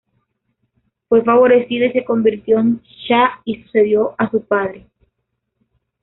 Fue favorecido y se convirtió en Shah y sucedió a su padre.